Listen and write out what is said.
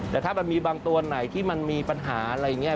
แต่ถ้ามันมีบางตัวไหนที่มันมีปัญหาอะไรอย่างนี้